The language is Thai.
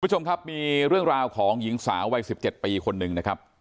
คุณผู้ชมครับมีเรื่องราวของหญิงสาววัย๑๗ปีคนหนึ่งนะครับ